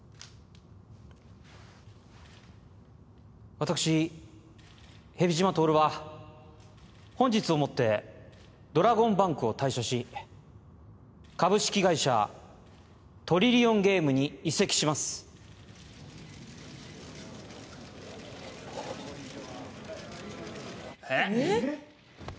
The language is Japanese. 私蛇島透は本日をもってドラゴンバンクを退社し株式会社トリリオンゲームに移籍しますえっ？